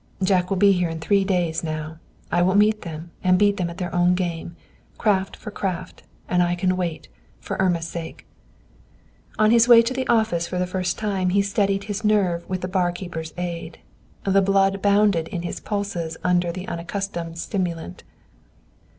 "Jack will be here in three days, now! I will meet them and beat them at their own game. Craft for craft, and I can wait. For Irma's sake!" On his way to the office for the first time he steadied his nerve with the bar keeper's aid. The blood bounded in his pulses under the unaccustomed stimulant.